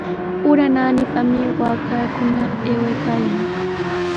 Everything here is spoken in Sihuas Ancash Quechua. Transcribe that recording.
Ura naanipami waakaykikuna aywaykaayan.